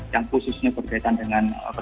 yang khususnya berkaitan dengan pasal pasal kelalaian